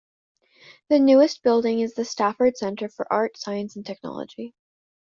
The newest building is the Stafford Center for Art, Science and Technology.